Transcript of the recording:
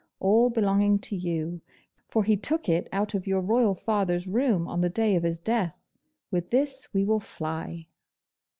all belonging to you, for he took it out of your royal father's room on the day of his death. With this we will fly.